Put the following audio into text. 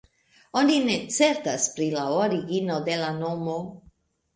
Oni ne certas pri la origino de la nomo.